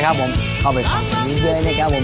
ครับผมเข้าไปเข้ามาเนี่ยก็ได้นะครับผม